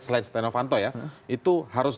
selain steno fanto ya itu harus